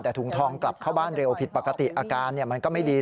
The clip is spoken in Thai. แต่ถุงทองกลับเข้าบ้านเร็วผิดปกติอาการมันก็ไม่ดี